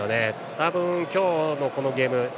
多分、今日のこのゲーム